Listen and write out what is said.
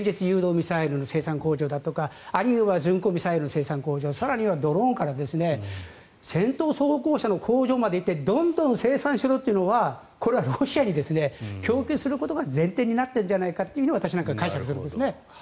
ミサイル生産工場とか巡航ミサイル製造工場ドローンから戦闘装甲車の工場まで行ってどんどん生産しろというのはこれはロシアに供給することが前提になっているんじゃないかと私は解釈するんですね。